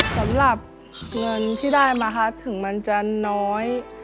สำหรับเงินที่ได้มาถึงมันจะน้อย